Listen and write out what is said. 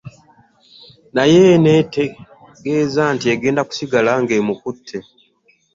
Naye n'etegeeza nti egenda kusigala ng'emukketta